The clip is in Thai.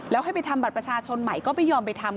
แล้วให้ไปทำบัตรประชาชนใหม่ก็ไม่ยอมไปทำ